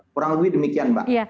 kurang lebih demikian mbak